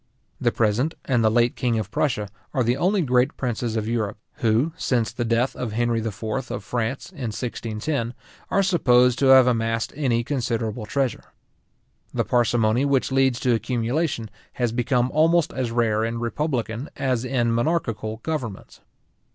The present and the late king of Prussia are the only great princes of Europe, who, since the death of Henry IV. of France, in 1610, are supposed to have amassed any considerable treasure. The parsimony which leads to accumulation has become almost as rare in republican as in monarchical governments.